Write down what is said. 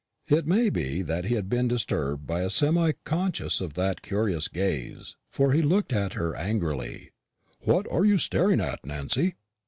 It may be that he had been disturbed by a semi consciousness of that curious gaze, for he looked at her angrily, "What are you staring at, Nancy?"